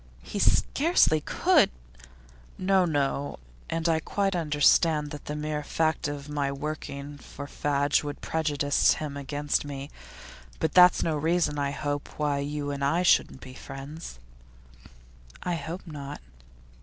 'He scarcely could ' 'No, no. And I quite understand that the mere fact of my working for Fadge would prejudice him against me. But that's no reason, I hope, why you and I shouldn't be friends?' 'I hope not.